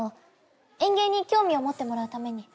園芸に興味を持ってもらうために。